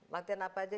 latihan apa aja